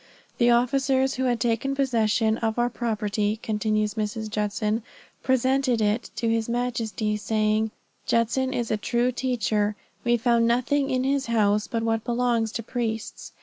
"The officers who had taken possession of our property," continues Mrs. Judson, "presented it to his majesty, saying, 'Judson is a true teacher; we found nothing in his house but what belongs to priests.